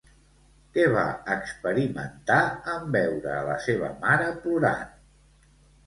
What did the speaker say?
Què va experimentar en veure a la seva mare plorant?